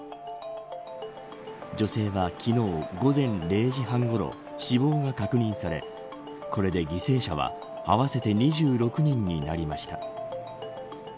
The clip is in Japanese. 女性は昨日、午前０時半ごろ死亡が確認されこれで犠牲者は合わせて２６人になりました。